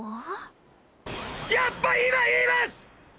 やっぱ今言います！！